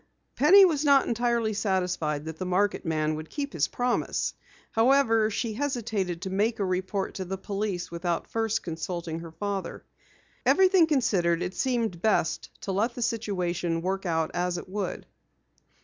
Penny was not entirely satisfied that the market man would keep his promise. However, she hesitated to make a report to the police without first consulting her father. Everything considered, it seemed best to let the situation work out as it would.